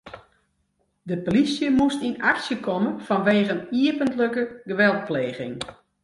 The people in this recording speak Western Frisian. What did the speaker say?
De polysje moast yn aksje komme fanwegen iepentlike geweldpleging.